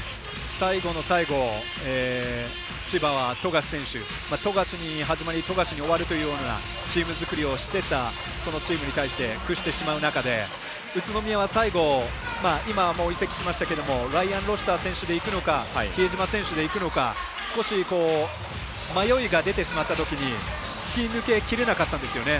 最後の最後、千葉は富樫選手富樫に始まり富樫に終わるというようなチーム作りをしていたそのチームに対して屈してしまう中で宇都宮は最後今は移籍しましたけれどもライアンロシター選手でいくのか比江島選手でいくのか少し迷いが出てしまったときに突き抜け切れなかったんですよね。